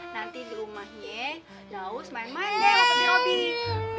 nanti di rumahnya laus main main deh sama papi robi